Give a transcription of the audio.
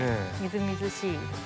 みずみずしい。